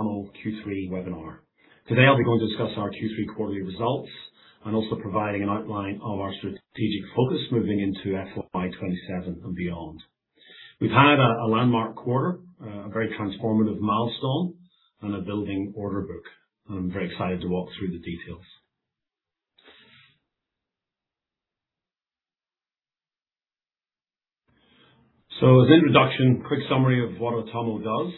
Atomo Q3 webinar. Today I'll be going to discuss our Q3 quarterly results and also providing an outline of our strategic focus moving into FY 2027 and beyond. We've had a landmark quarter, a very transformative milestone and a building order book, and I'm very excited to walk through the details. As an introduction, quick summary of what Atomo does.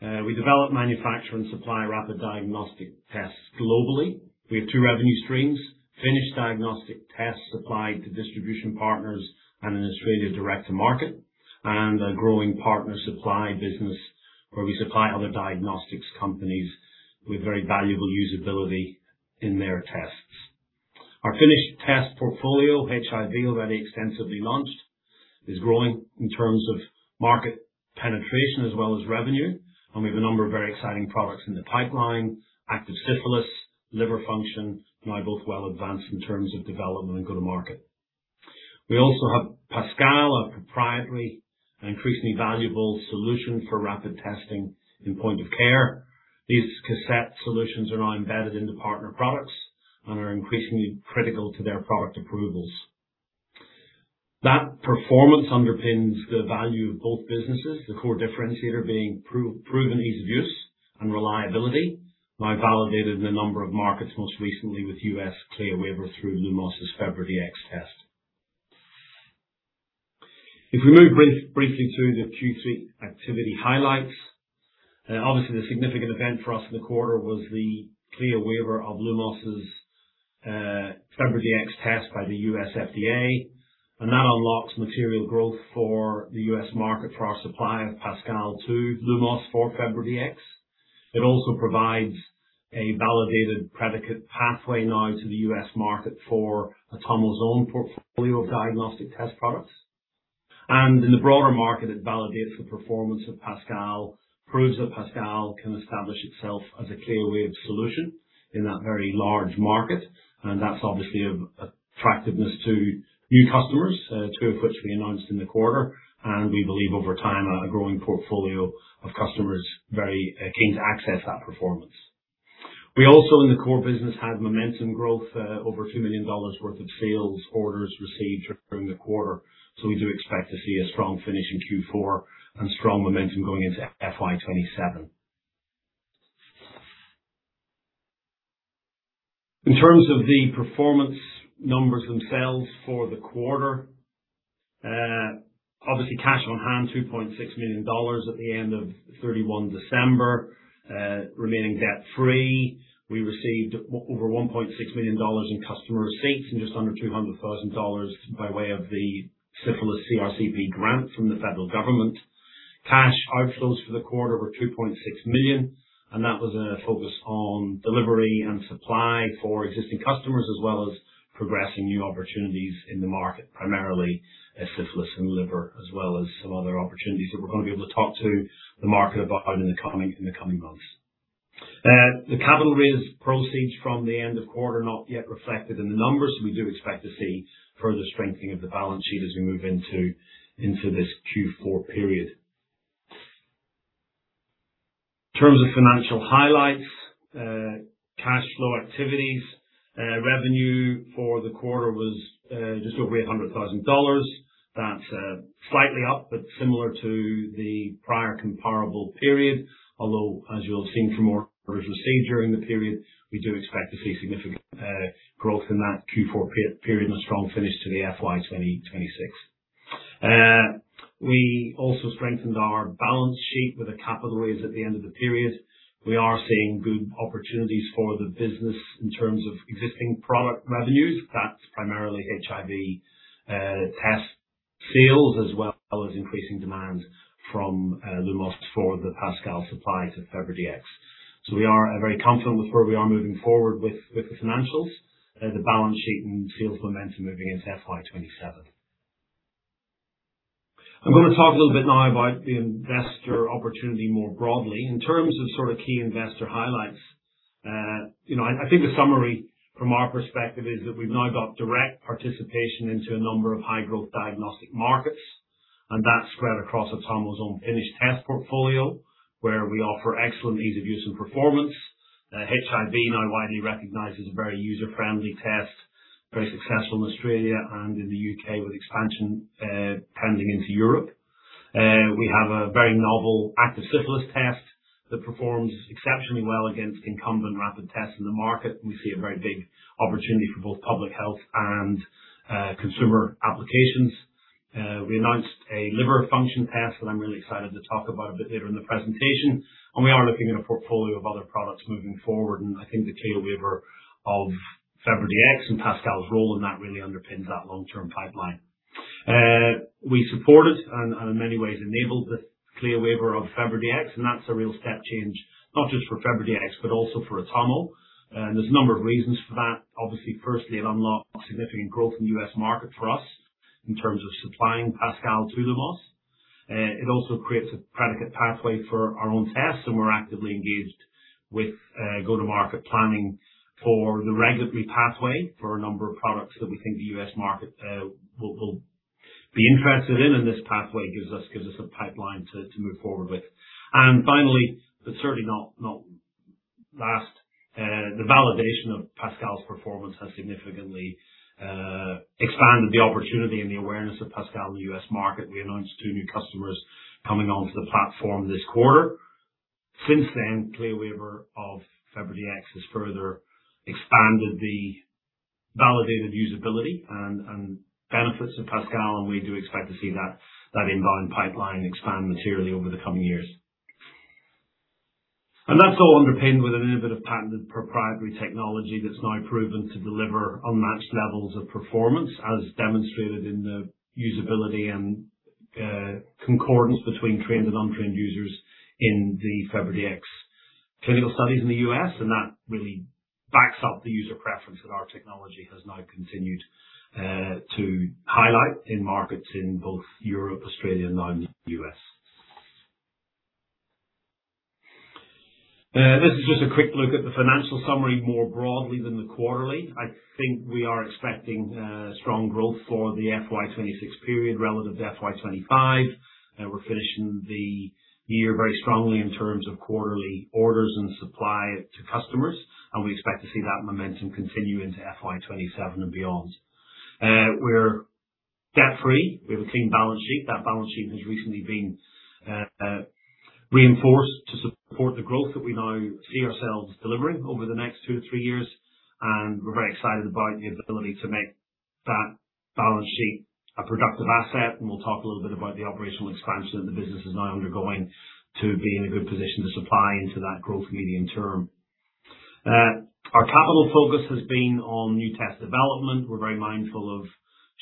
We develop, manufacture, and supply rapid diagnostic tests globally. We have two revenue streams, finished diagnostic tests supplied to distribution partners and in Australia direct to market, and a growing partner supply business where we supply other diagnostics companies with very valuable usability in their tests. Our finished test portfolio, HIV, already extensively launched, is growing in terms of market penetration as well as revenue, and we have a number of very exciting products in the pipeline, active syphilis, liver function, now both well advanced in terms of development and go to market. We also have Pascal, a proprietary and increasingly valuable solution for rapid testing in point of care. These cassette solutions are now embedded into partner products and are increasingly critical to their product approvals. That performance underpins the value of both businesses, the core differentiator being proven ease of use and reliability, now validated in a number of markets, most recently with U.S. CLIA waiver through Lumos' FebriDx test. If we move briefly through the Q3 activity highlights, obviously the significant event for us in the quarter was the CLIA waiver of Lumos's FebriDx test by the U.S. FDA. That unlocks material growth for the U.S. market for our supply of Pascal to Lumos for FebriDx. It also provides a validated predicate pathway now to the U.S. market for Atomo's own portfolio of diagnostic test products. In the broader market, it validates the performance of Pascal, proves that Pascal can establish itself as a CLIA waived solution in that very large market. That's obviously of attractiveness to new customers, two of which we announced in the quarter. We believe over time, a growing portfolio of customers very keen to access that performance. We also, in the core business, had momentum growth, over 2 million dollars worth of sales orders received during the quarter. We do expect to see a strong finish in Q4 and strong momentum going into FY 2027. In terms of the performance numbers themselves for the quarter, obviously cash on hand, 2.6 million dollars at the end of 31 December. Remaining debt-free. We received over 1.6 million dollars in customer receipts and just under 200,000 dollars by way of the syphilis CRC-P grant from the federal government. Cash outflows for the quarter were 2.6 million, and that was a focus on delivery and supply for existing customers as well as progressing new opportunities in the market, primarily, syphilis and liver, as well as some other opportunities that we're gonna be able to talk to the market about in the coming months. The capital raise proceeds from the end of quarter, not yet reflected in the numbers. We do expect to see further strengthening of the balance sheet as we move into this Q4 period. In terms of financial highlights, cash flow activities, revenue for the quarter was just over 800,000 dollars. That's slightly up but similar to the prior comparable period. Although, as you'll have seen from orders received during the period, we do expect to see significant growth in that Q4 period and a strong finish to the FY 2026. We also strengthened our balance sheet with the capital raise at the end of the period. We are seeing good opportunities for the business in terms of existing product revenues. That's primarily HIV test sales as well as increasing demand from Lumos for the Pascal supply to FebriDx. We are very confident with where we are moving forward with the financials, the balance sheet and sales momentum moving into FY 2027. I'm gonna talk a little bit now about the investor opportunity more broadly. In terms of sort of key investor highlights, you know, I think the summary from our perspective is that we've now got direct participation into a number of high-growth diagnostic markets, and that's spread across Atomo's own finished test portfolio, where we offer excellent ease of use and performance. HIV, now widely recognized as a very user-friendly test, very successful in Australia and in the U.K. with expansion pending into Europe. We have a very novel active syphilis test that performs exceptionally well against incumbent rapid tests in the market. We see a very big opportunity for both public health and consumer applications. We announced a liver function test that I'm really excited to talk about a bit later in the presentation. We are looking at a portfolio of other products moving forward, and I think the CLIA waiver of FebriDx and Pascal's role in that really underpins that long-term pipeline. We supported and in many ways enabled the CLIA waiver of FebriDx, and that's a real step change, not just for FebriDx, but also for Atomo. There's a number of reasons for that. Obviously, firstly, it unlocks significant growth in the U.S. market for us in terms of supplying Pascal to Lumos. It also creates a predicate pathway for our own tests, and we're actively engaged with go to market planning for the regulatory pathway for a number of products that we think the U.S. market will be interested in and this pathway gives us a pipeline to move forward with. Finally, but certainly not least, the validation of Pascal's performance has significantly expanded the opportunity and the awareness of Pascal in the U.S. market. We announced two new customers coming onto the platform this quarter. Since then, CLIA waiver of FebriDx has further expanded the validated usability and benefits of Pascal, and we do expect to see that inbound pipeline expand materially over the coming years. That's all underpinned with an innovative patented proprietary technology that's now proven to deliver unmatched levels of performance, as demonstrated in the usability and concordance between trained and untrained users in the FebriDx clinical studies in the U.S. That really backs up the user preference that our technology has now continued to highlight in markets in both Europe, Australia, and now in the U.S. This is just a quick look at the financial summary more broadly than the quarterly. I think we are expecting strong growth for the FY 2026 period relative to FY 2025. We're finishing the year very strongly in terms of quarterly orders and supply to customers, and we expect to see that momentum continue into FY 2027 and beyond. We're debt-free. We have a clean balance sheet. That balance sheet has recently been reinforced to support the growth that we now see ourselves delivering over the next two to three years. We're very excited about the ability to make that balance sheet a productive asset. We'll talk a little bit about the operational expansion that the business is now undergoing to be in a good position to supply into that growth medium term. Our capital focus has been on new test development. We're very mindful of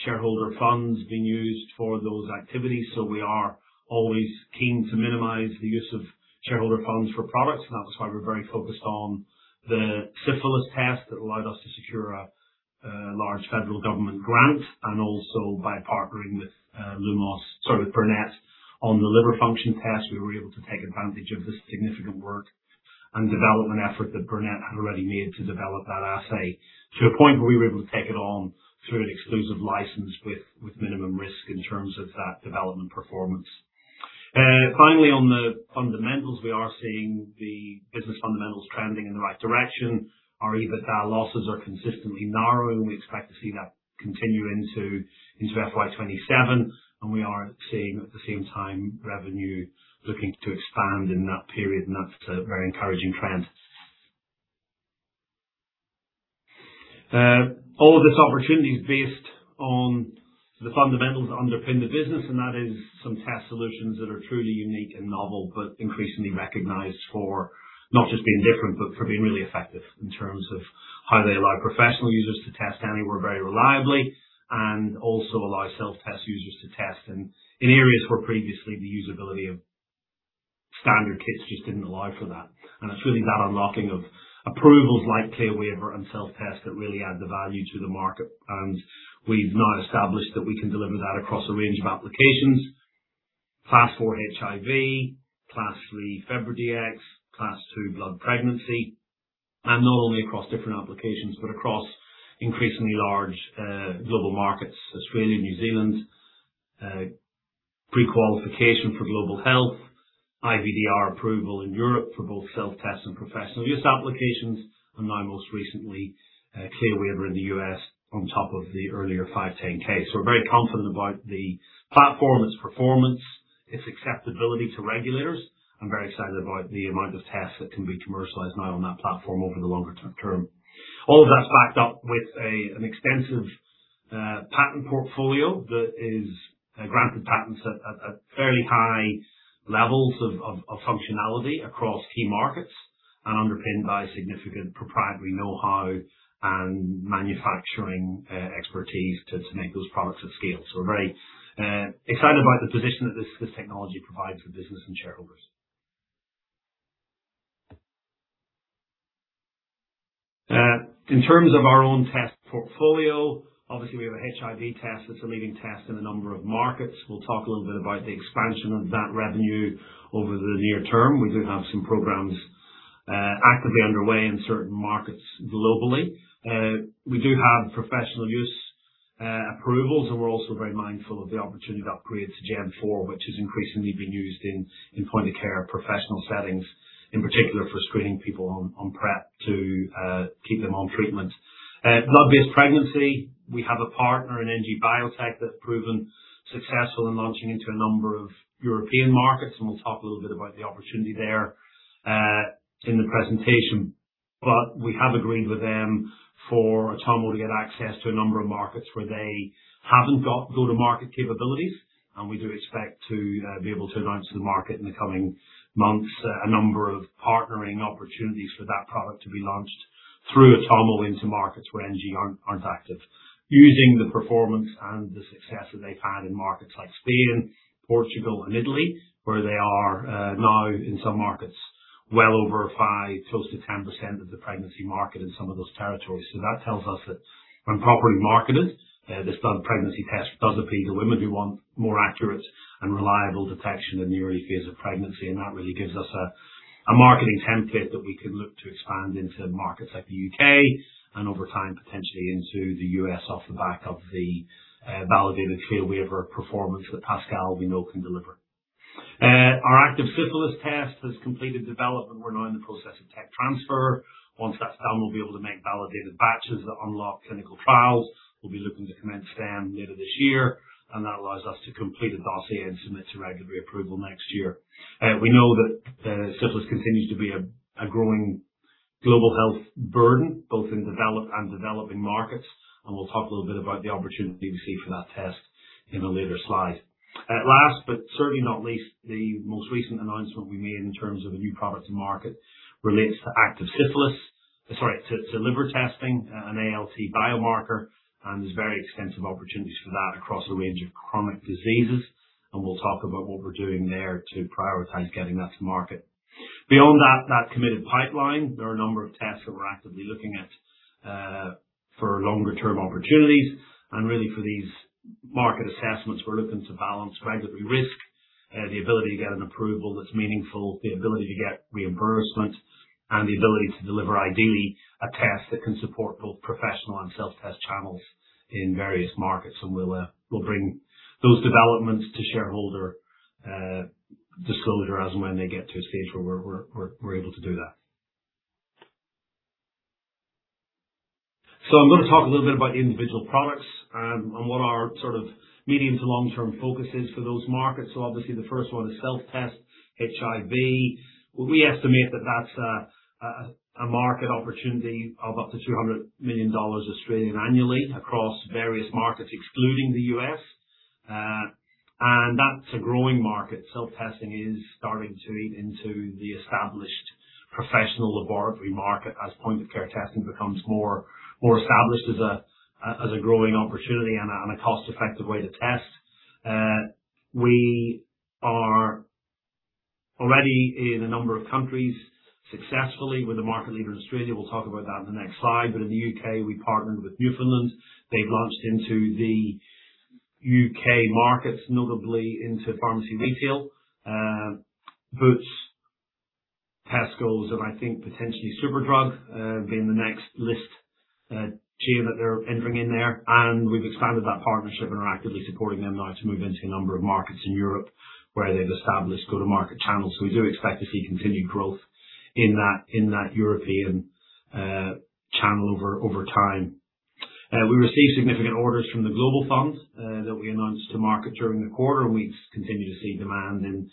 shareholder funds being used for those activities, so we are always keen to minimize the use of shareholder funds for products. That's why we're very focused on the syphilis test that allowed us to secure a large federal government grant and also by partnering with Burnet on the liver function test. We were able to take advantage of the significant work and development effort that Burnet had already made to develop that assay to a point where we were able to take it on through an exclusive license with minimum risk in terms of that development performance. Finally, on the fundamentals, we are seeing the business fundamentals trending in the right direction. Our EBITDA losses are consistently narrowing. We expect to see that continue into FY 2027, and we are seeing at the same time revenue looking to expand in that period, and that's a very encouraging trend. All of this opportunity is based on the fundamentals that underpin the business, and that is some test solutions that are truly unique and novel, but increasingly recognized for not just being different, but for being really effective in terms of how they allow professional users to test anywhere very reliably and also allow self-test users to test in areas where previously the usability of standard kits just didn't allow for that. It's really that unlocking of approvals like CLIA waiver and self-test that really add the value to the market. We've now established that we can deliver that across a range of applications. Class 4 HIV, Class 3 FebriDx, Class 2 blood pregnancy. Not only across different applications, but across increasingly large global markets, Australia, New Zealand, prequalification for global health, IVDR approval in Europe for both self-tests and professional use applications. Now most recently, CLIA waiver in the U.S. on top of the earlier 510(k). We're very confident about the platform, its performance, its acceptability to regulators. I'm very excited about the amount of tests that can be commercialized now on that platform over the longer term. All of that's backed up with an extensive patent portfolio that is granted patents at fairly high levels of functionality across key markets and underpinned by significant proprietary know-how and manufacturing expertise to make those products at scale. We're very excited about the position that this technology provides for business and shareholders. In terms of our own test portfolio, obviously we have an HIV test that's a leading test in a number of markets. We'll talk a little bit about the expansion of that revenue over the near term. We do have some programs actively underway in certain markets globally. We do have professional use approvals, and we're also very mindful of the opportunity to upgrade to Gen four, which has increasingly been used in point of care professional settings, in particular for screening people on PrEP to keep them on treatment. Blood-based pregnancy. We have a partner in NG Biotech that's proven successful in launching into a number of European markets, and we'll talk a little bit about the opportunity there in the presentation. We have agreed with them for Atomo to get access to a number of markets where they haven't got go-to-market capabilities. We do expect to be able to announce to the market in the coming months a number of partnering opportunities for that product to be launched through Atomo into markets where NG aren't active. Using the performance and the success that they've had in markets like Spain, Portugal, and Italy, where they are now in some markets well over 5%, close to 10% of the pregnancy market in some of those territories. That tells us that when properly marketed, this blood pregnancy test does appeal to women who want more accurate and reliable detection in the early phase of pregnancy. That really gives us a marketing template that we can look to expand into markets like the U.K. and over time, potentially into the U.S. off the back of the validated CLIA waiver performance that Pascal we know can deliver. Our active syphilis test has completed development. We're now in the process of tech transfer. Once that's done, we'll be able to make validated batches that unlock clinical trials. We'll be looking to commence them later this year, and that allows us to complete a dossier and submit to regulatory approval next year. We know that syphilis continues to be a growing global health burden both in developed and developing markets, and we'll talk a little bit about the opportunity we see for that test in a later slide. Last but certainly not least, the most recent announcement we made in terms of a new product to market relates to active syphilis. Sorry. To liver testing, an ALT biomarker, and there's very extensive opportunities for that across a range of chronic diseases, and we'll talk about what we're doing there to prioritize getting that to market. Beyond that, committed pipeline, there are a number of tests that we're actively looking at for longer term opportunities, and really for these market assessments, we're looking to balance regulatory risk, the ability to get an approval that's meaningful, the ability to get reimbursement and the ability to deliver ideally a test that can support both professional and self-test channels in various markets. We'll bring those developments to shareholder disclosure as and when they get to a stage where we're able to do that. I'm gonna talk a little bit about individual products and what our sort of medium to long-term focus is for those markets. Obviously the first one is self-test HIV. We estimate that that's a market opportunity of up to 200 million Australian dollars annually across various markets excluding the U.S., and that's a growing market. Self-testing is starting to eat into the established professional laboratory market as point of care testing becomes more established as a growing opportunity and a cost-effective way to test. We are already in a number of countries successfully. We're the market leader in Australia. We'll talk about that in the next slide, but in the U.K. we partnered with Newfoundland. They've launched into the U.K. markets, notably into pharmacy retail, Boots, Tesco, and I think potentially Superdrug, being the next largest chain that they're entering in there. We've expanded that partnership and are actively supporting them now to move into a number of markets in Europe where they've established go to market channels. We do expect to see continued growth in that European channel over time. We received significant orders from the Global Fund that we announced to the market during the quarter, and we continue to see demand in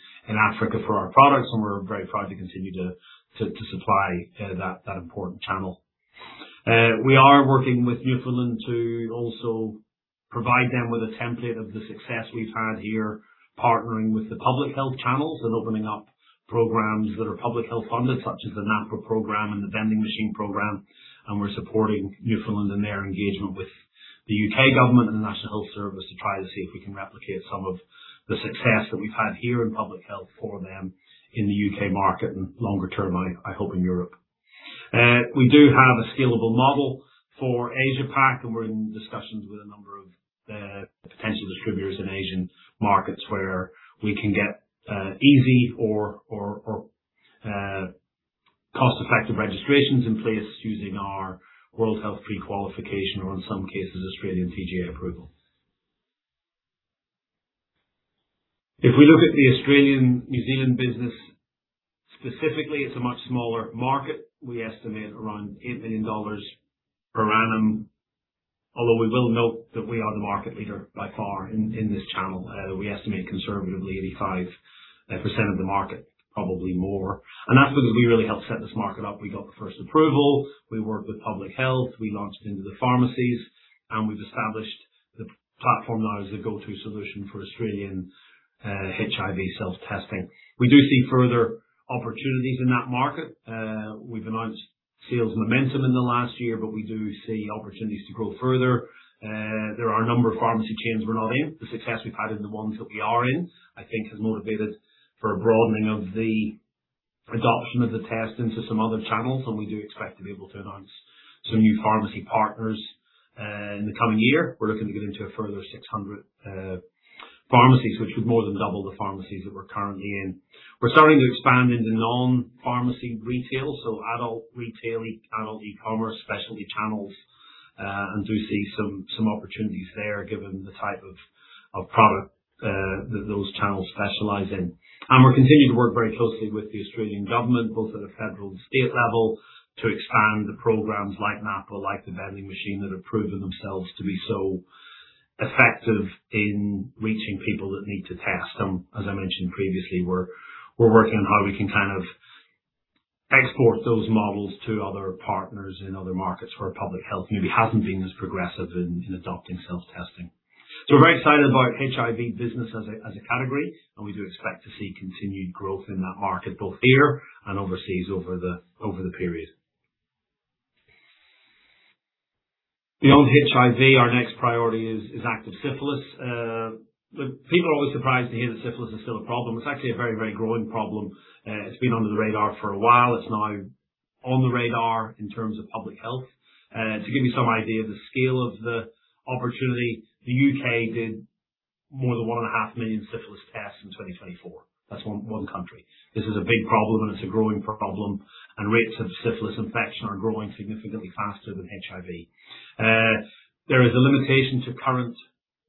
Africa for our products, and we're very proud to continue to supply that important channel. We are working with Newfoundland to also provide them with a template of the success we've had here, partnering with the public health channels and opening up programs that are public health funded, such as the NAPWHA program and the vending machine program, and we're supporting Newfoundland and their engagement with the U.K. government and the National Health Service to try to see if we can replicate some of the success that we've had here in public health for them in the U.K. market and longer term, I hope in Europe. We do have a scalable model for Asia Pac and we're in discussions with a number of potential distributors in Asian markets where we can get easy or cost-effective registrations in place using our World Health Organization prequalification or in some cases Australian TGA approval. If we look at the Australian/New Zealand business specifically, it's a much smaller market. We estimate around 8 million dollars per annum, although we will note that we are the market leader by far in this channel. We estimate conservatively 85% of the market, probably more. That's because we really helped set this market up. We got the first approval. We worked with public health. We launched into the pharmacies, and we've established the platform now as a go-to solution for Australian HIV self-testing. We do see further opportunities in that market. We've announced sales momentum in the last year, but we do see opportunities to grow further. There are a number of pharmacy chains we're not in. The success we've had in the ones that we are in, I think has motivated for a broadening of the adoption of the test into some other channels, and we do expect to be able to announce some new pharmacy partners in the coming year. We're looking to get into a further 600 pharmacies, which is more than double the pharmacies that we're currently in. We're starting to expand into non-pharmacy retail, so adult e-commerce, specialty channels, and do see some opportunities there given the type of product that those channels specialize in. We're continuing to work very closely with the Australian government, both at a federal and state level, to expand the programs like NAPWHA, like the vending machine that have proven themselves to be so effective in reaching people that need to test. As I mentioned previously, we're working on how we can kind of export those models to other partners in other markets where public health maybe hasn't been as progressive in adopting self-testing. We're very excited about HIV business as a category, and we do expect to see continued growth in that market both here and overseas over the period. Beyond HIV, our next priority is active syphilis. People are always surprised to hear that syphilis is still a problem. It's actually a very growing problem. It's been under the radar for a while. It's now on the radar in terms of public health. To give you some idea of the scale of the opportunity, the U.K. did more than 1.5 million syphilis tests in 2024. That's one country. This is a big problem, and it's a growing problem, and rates of syphilis infection are growing significantly faster than HIV. There is a limitation to current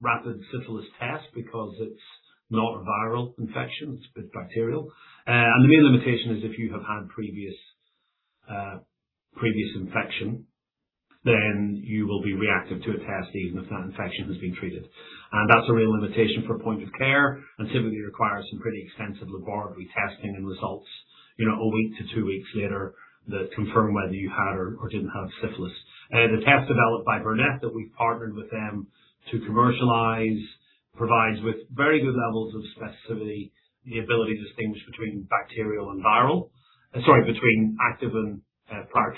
rapid syphilis tests because it's not a viral infection, it's bacterial. The main limitation is if you have had previous infection, then you will be reactive to a test even if that infection has been treated. That's a real limitation for point of care and typically requires some pretty extensive laboratory testing and results, you know, a week to two weeks later that confirm whether you had or didn't have syphilis. The test developed by Burnet that we've partnered with them to commercialize provides with very good levels of specificity, the ability to distinguish between active and prior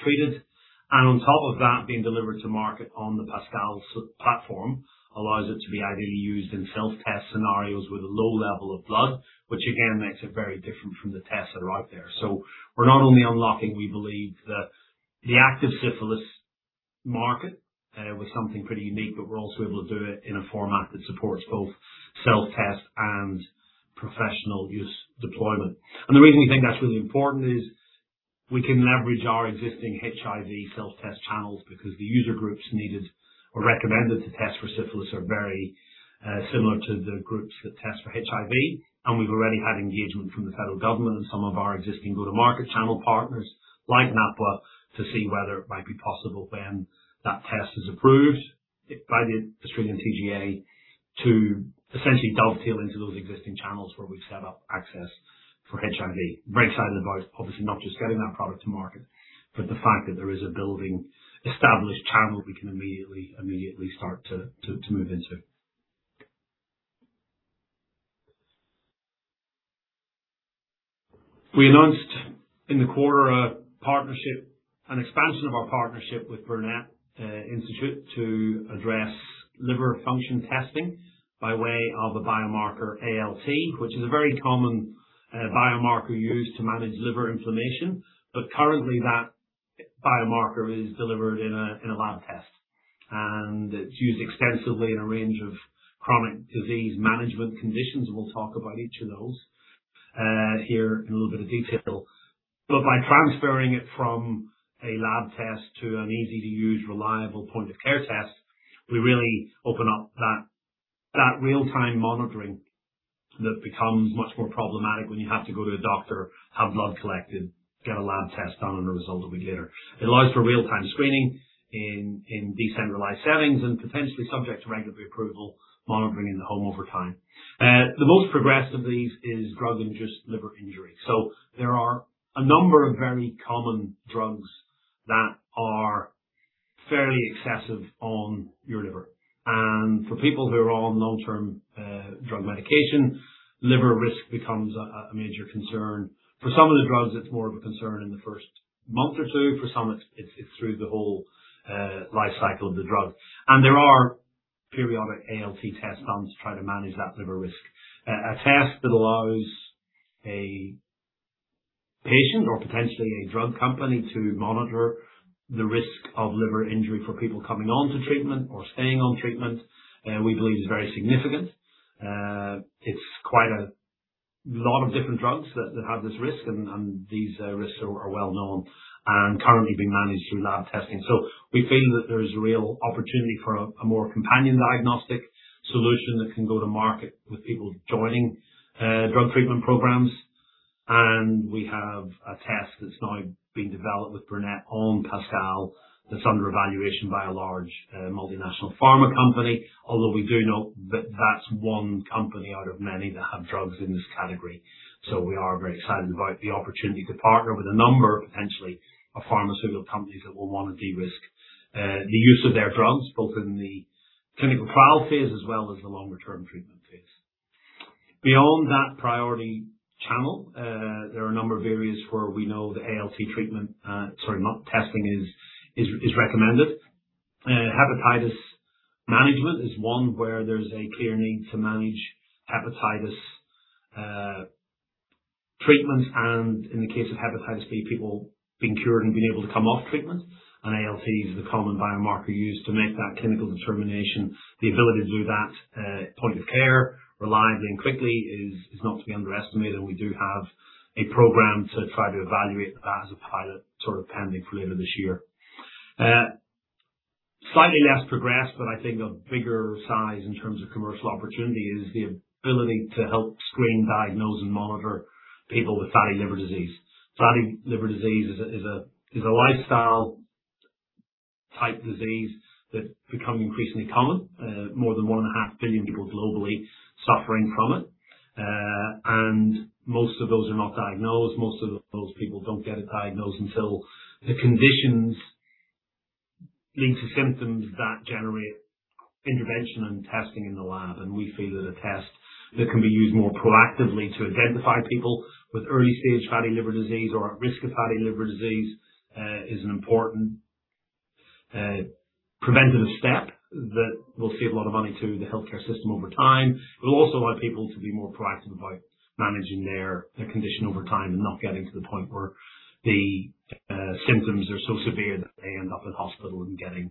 treated. on top of that, being delivered to market on the Pascal platform allows it to be ideally used in self-test scenarios with a low level of blood, which again makes it very different from the tests that are out there. We're not only unlocking, we believe the active syphilis market with something pretty unique, but we're also able to do it in a format that supports both self-test and professional use deployment. The reason we think that's really important is we can leverage our existing HIV self-test channels because the user groups needed or recommended to test for syphilis are very similar to the groups that test for HIV. We've already had engagement from the federal government and some of our existing go-to-market channel partners like NAPWHA to see whether it might be possible when that test is approved by the Australian TGA to essentially dovetail into those existing channels where we've set up access for HIV. Very excited about obviously not just getting that product to market, but the fact that there is a building established channel we can immediately start to move into. We announced in the quarter a partnership, an expansion of our partnership with Burnet Institute to address liver function testing by way of a biomarker ALT, which is a very common biomarker used to manage liver inflammation. Currently that biomarker is delivered in a lab test, and it's used extensively in a range of chronic disease management conditions. We'll talk about each of those here in a little bit of detail. By transferring it from a lab test to an easy-to-use, reliable point-of-care test, we really open up that real-time monitoring that becomes much more problematic when you have to go to a doctor, have blood collected, get a lab test done, and the result a week later. It allows for real-time screening in decentralized settings and potentially subject to regulatory approval, monitoring in the home over time. The most progressed of these is drug-induced liver injury. There are a number of very common drugs that are fairly excessive on your liver. For people who are on long-term drug medication, liver risk becomes a major concern. For some of the drugs, it's more of a concern in the first month or two. For some, it's through the whole life cycle of the drug. There are periodic ALT test done to try to manage that liver risk. A test that allows a patient or potentially a drug company to monitor the risk of liver injury for people coming onto treatment or staying on treatment, we believe is very significant. It's quite a lot of different drugs that have this risk and these risks are well known and currently being managed through lab testing. We feel that there's real opportunity for a more companion diagnostic solution that can go to market with people joining drug treatment programs. We have a test that's now being developed with Burnet on Pascal that's under evaluation by a large, multinational pharma company, although we do know that that's one company out of many that have drugs in this category. We are very excited about the opportunity to partner with a number, potentially, of pharmaceutical companies that will wanna de-risk the use of their drugs, both in the clinical trial phase as well as the longer-term treatment phase. Beyond that priority channel, there are a number of areas where we know the ALT testing is recommended. Hepatitis management is one where there's a clear need to manage hepatitis treatment and in the case of hepatitis B, people being cured and being able to come off treatment. ALT is the common biomarker used to make that clinical determination. The ability to do that, point of care reliably and quickly is not to be underestimated, and we do have a program to try to evaluate that as a pilot sort of pending for later this year. Slightly less progressed, but I think of bigger size in terms of commercial opportunity is the ability to help screen, diagnose, and monitor people with fatty liver disease. Fatty liver disease is a lifestyle-type disease that's become increasingly common. More than 1.5 billion people globally suffering from it. Most of those are not diagnosed. Most of those people don't get it diagnosed until the conditions lead to symptoms that generate intervention and testing in the lab. We feel that a test that can be used more proactively to identify people with early-stage fatty liver disease or at risk of fatty liver disease is an important preventative step that will save a lot of money to the healthcare system over time. It will also allow people to be more proactive about managing their condition over time and not getting to the point where the symptoms are so severe that they end up in hospital and getting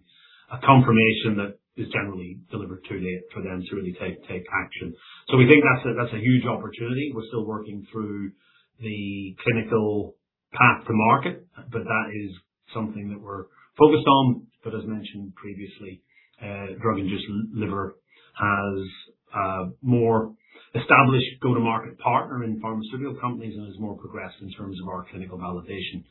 a confirmation that is generally delivered too late for them to really take action. We think that's a huge opportunity. We're still working through the clinical path to market, but that is something that we're focused on. As mentioned previously, drug-induced liver has a more established go-to-market partner in pharmaceutical companies and is more progressed in terms of our clinical validation.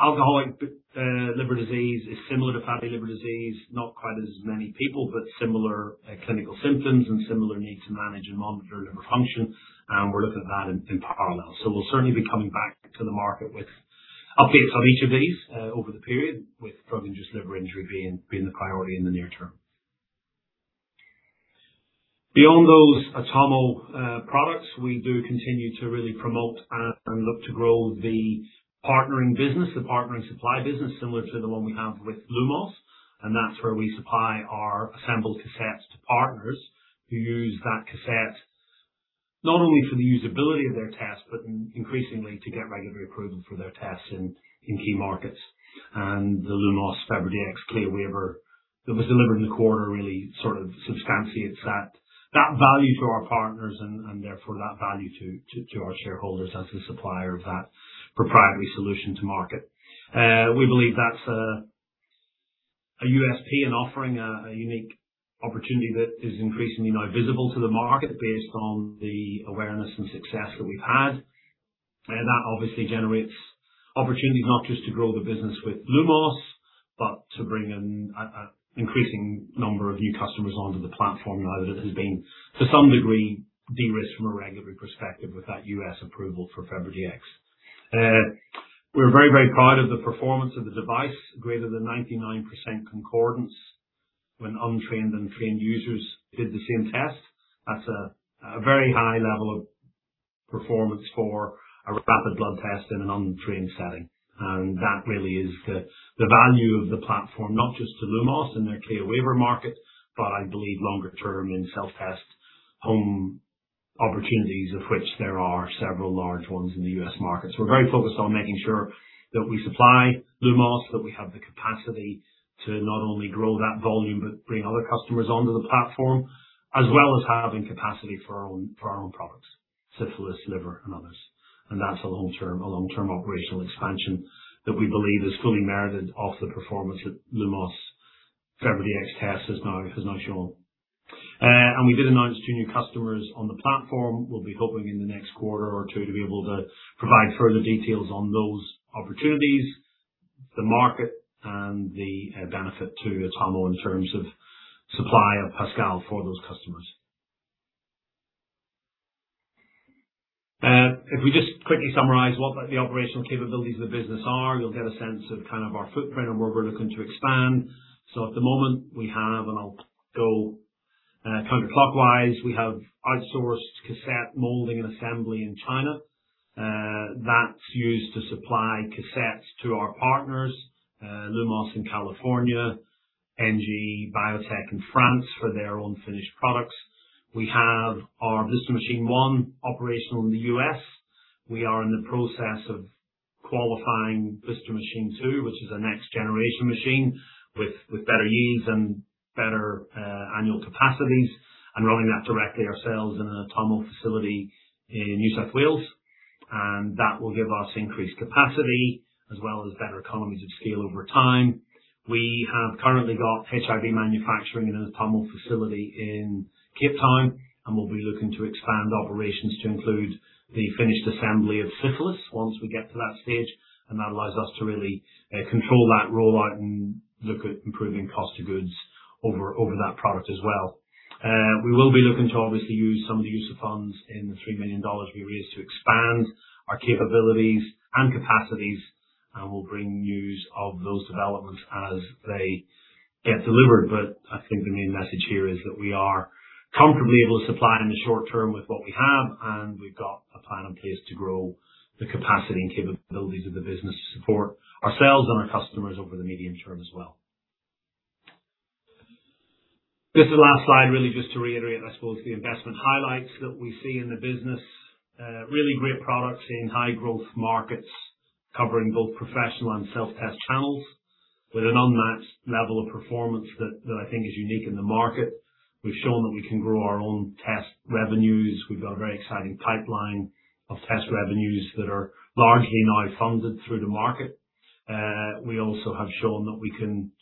Alcoholic liver disease is similar to fatty liver disease, not quite as many people, but similar clinical symptoms and similar need to manage and monitor liver function, and we're looking at that in parallel. We'll certainly be coming back to the market with updates on each of these over the period, with drug-induced liver injury being the priority in the near term. Beyond those Atomo products, we do continue to really promote and look to grow the partnering business, the partnering supply business, similar to the one we have with Lumos. That's where we supply our assembled cassettes to partners who use that cassette not only for the usability of their test, but increasingly to get regulatory approval for their tests in key markets. The Lumos FebriDx CLIA waiver that was delivered in the quarter really sort of substantiates that value to our partners and therefore that value to our shareholders as the supplier of that proprietary solution to market. We believe that's a USP and offering a unique opportunity that is increasingly now visible to the market based on the awareness and success that we've had. That obviously generates opportunities not just to grow the business with Lumos, but to bring in an increasing number of new customers onto the platform now that it has been to some degree de-risked from a regulatory perspective with that U.S. approval for FebriDx. We're very, very proud of the performance of the device, greater than 99% concordance when untrained and trained users did the same test. That's a very high level of performance for a rapid blood test in an untrained setting. That really is the value of the platform, not just to Lumos in their CLIA waiver market, but I believe longer term in self-test home opportunities, of which there are several large ones in the U.S. market. We're very focused on making sure that we supply Lumos, that we have the capacity to not only grow that volume, but bring other customers onto the platform, as well as having capacity for our own products, syphilis, liver, and others. That's a long-term operational expansion that we believe is fully merited off the performance that Lumos FebriDx test has now shown. We did announce two new customers on the platform. We'll be hoping in the next quarter or two to be able to provide further details on those opportunities, the market and the benefit to Atomo in terms of supply of Pascal for those customers. If we just quickly summarize what the operational capabilities of the business are, you'll get a sense of kind of our footprint and where we're looking to expand. At the moment we have and I'll go counterclockwise. We have outsourced cassette molding and assembly in China, that's used to supply cassettes to our partners, Lumos in California, NG Biotech in France for their own finished products. We have our Blister machine one operational in the U.S. We are in the process of qualifying Blister machine two, which is a next generation machine with better yields and better annual capacities, and running that directly ourselves in an Atomo facility in New South Wales. That will give us increased capacity as well as better economies of scale over time. We have currently got HIV manufacturing in an Atomo facility in Cape Town, and we'll be looking to expand operations to include the finished assembly of syphilis once we get to that stage. That allows us to really control that rollout and look at improving cost of goods over that product as well. We will be looking to obviously use some of the funds in the 3 million dollars we raised to expand our capabilities and capacities, and we'll bring news of those developments as they get delivered. I think the main message here is that we are comfortably able to supply in the short term with what we have, and we've got a plan in place to grow the capacity and capabilities of the business to support ourselves and our customers over the medium term as well. This is the last slide, really just to reiterate, I suppose, the investment highlights that we see in the business. Really great products in high growth markets covering both professional and self-test channels with an unmatched level of performance that I think is unique in the market. We've shown that we can grow our own test revenues. We've got a very exciting pipeline of test revenues that are largely now funded through the market. We also have shown that we can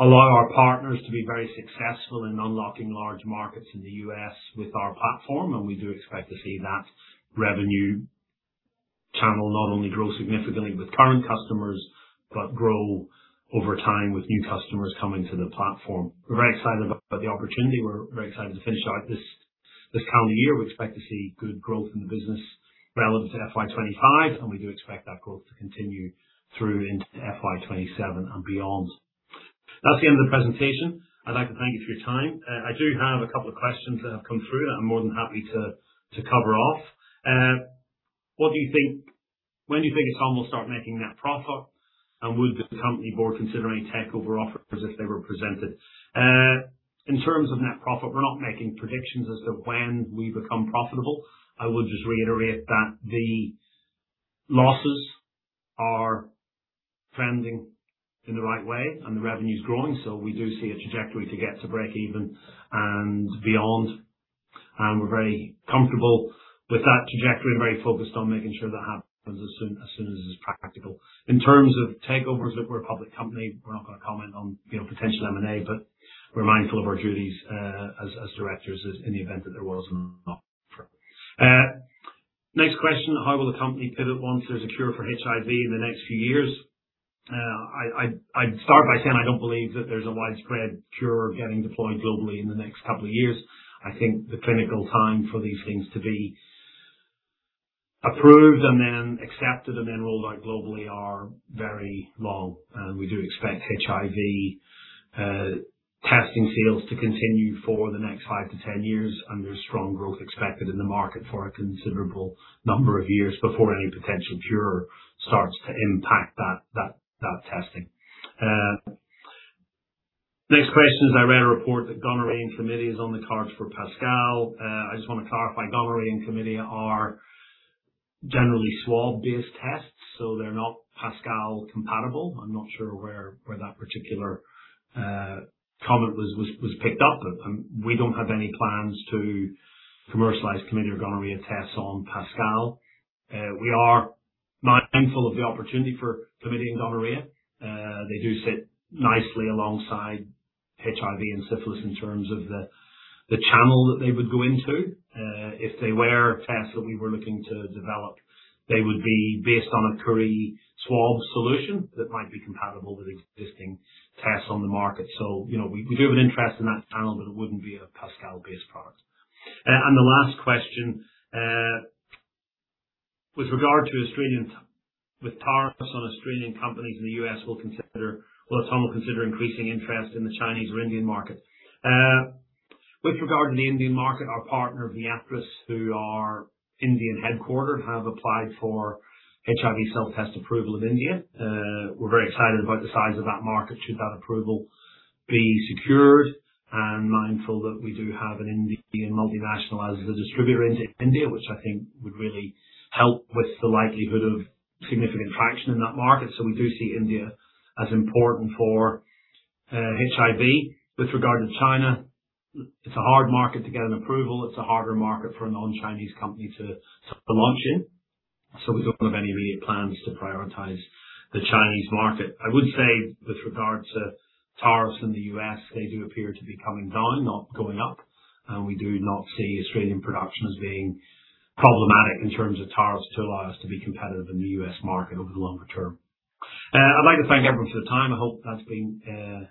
allow our partners to be very successful in unlocking large markets in the US with our platform, and we do expect to see that revenue channel not only grow significantly with current customers, but grow over time with new customers coming to the platform. We're very excited about the opportunity. We're very excited to finish out this calendar year. We expect to see good growth in the business relevant to FY 2025, and we do expect that growth to continue through into FY 2027 and beyond. That's the end of the presentation. I'd like to thank you for your time. I do have a couple of questions that have come through that I'm more than happy to cover off. When do you think Atomo will start making net profit? Would the company board consider any takeover offers if they were presented? In terms of net profit, we're not making predictions as to when we become profitable. I would just reiterate that the losses are trending in the right way and the revenue's growing, so we do see a trajectory to get to break even and beyond. We're very comfortable with that trajectory and very focused on making sure that happens as soon as is practical. In terms of takeovers, look, we're a public company. We're not gonna comment on, you know, potential M&A, but we're mindful of our duties as directors in the event that there was an offer. Next question. How will the company pivot once there's a cure for HIV in the next few years? I'd start by saying I don't believe that there's a widespread cure getting deployed globally in the next couple of years. I think the clinical time for these things to be approved and then accepted and then rolled out globally are very long. We do expect HIV testing sales to continue for the next 5 years-10 years. There's strong growth expected in the market for a considerable number of years before any potential cure starts to impact that testing. Next question is, I read a report that gonorrhea and chlamydia is on the cards for Pascal. I just wanna clarify, gonorrhea and chlamydia are generally swab-based tests, so they're not Pascal compatible. I'm not sure where that particular comment was picked up. We don't have any plans to commercialize chlamydia, gonorrhea tests on Pascal. We are mindful of the opportunity for chlamydia and gonorrhea. They do sit nicely alongside HIV and syphilis in terms of the channel that they would go into. If they were tests that we were looking to develop, they would be based on a Curie swab solution that might be compatible with existing tests on the market. You know, we do have an interest in that channel, but it wouldn't be a Pascal-based product. The last question with regard to tariffs on Australian companies in the U.S. Will Atomo consider increasing interest in the Chinese or Indian market. With regard to the Indian market, our partner, Viatris, who are Indian headquartered, have applied for HIV self-test approval of India. We're very excited about the size of that market should that approval be secured, and mindful that we do have an Indian multinational as a distributor into India, which I think would really help with the likelihood of significant traction in that market. We do see India as important for HIV. With regard to China, it's a hard market to get an approval. It's a harder market for a non-Chinese company to launch in. We don't have any immediate plans to prioritize the Chinese market. I would say with regard to tariffs in the U.S., they do appear to be coming down, not going up. We do not see Australian production as being problematic in terms of tariffs to allow us to be competitive in the U.S. market over the longer term. I'd like to thank everyone for their time. I hope that's been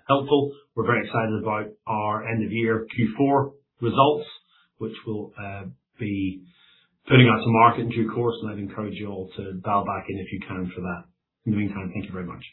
helpful. We're very excited about our end of year Q4 results, which we'll be putting out to market in due course, and I'd encourage you all to dial back in if you can for that. In the meantime, thank you very much.